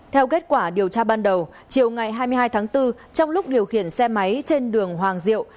theo kết quả điều tra ban đầu chiều ngày hai mươi hai tháng bốn trong lúc điều khiển xe máy trên đường hoàng diệu